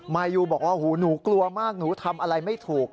มายูบอกว่าหูหนูกลัวมากหนูทำอะไรไม่ถูก